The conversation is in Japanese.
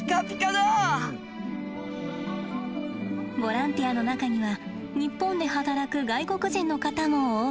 ボランティアの中には日本で働く外国人の方も多くいます。